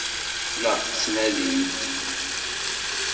La ɣ-ttnadint?